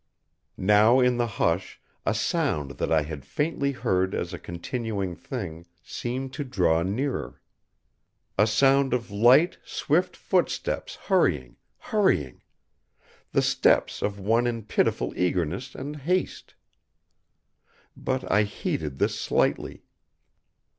Now in the hush a sound that I had faintly heard as a continuing thing seemed to draw nearer. A sound of light, swift footsteps hurrying, hurrying; the steps of one in pitiful eagerness and haste. But I heeded this slightly.